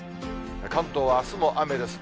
関東はあすも雨です。